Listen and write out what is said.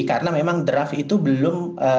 karena memang draft itu belum